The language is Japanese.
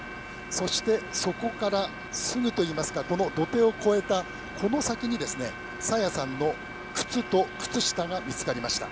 そしてそこからすぐといいますかこの土手を越えた先に朝芽さんの靴と靴下が見つかりました。